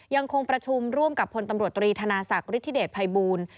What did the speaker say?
ยังคงประชุมร่วมกับพลตำรวจตรีธนาศักดิธิเดชภัยบูล